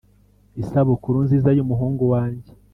isabukuru nziza y'umuhungu wanjye